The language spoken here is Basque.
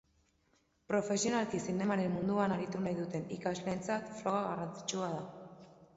Profesionalki zinemaren munduan aritu nahi duten ikasleentzat froga garrantzitsua da.